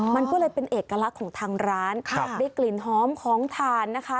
มันก็เลยเป็นเอกลักษณ์ของทางร้านได้กลิ่นหอมของทานนะคะ